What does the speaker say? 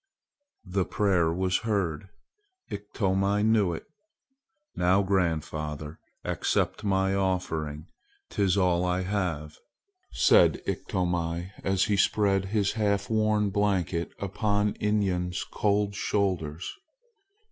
The prayer was heard. Iktomi knew it. "Now, grandfather, accept my offering; 'tis all I have," said Iktomi as he spread his half worn blanket upon Inyan's cold shoulders.